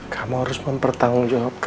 kamu kan kecelakaan anak